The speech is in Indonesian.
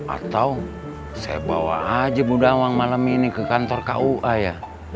atau saya bawa aja mudawang malam ini ke kantor kua ya